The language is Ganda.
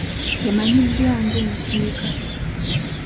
Emanyiddwa nga ensika.